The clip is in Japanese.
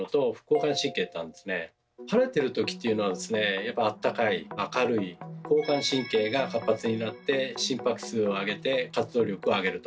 やっぱあったかい明るい交感神経が活発になって心拍数を上げて活動力を上げると。